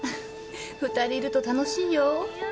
２人いると楽しいよ。